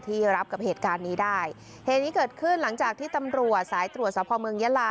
ที่รับกับเหตุการณ์นี้ได้เหตุนี้เกิดขึ้นหลังจากที่ตำรวจสายตรวจสภาพเมืองยะลา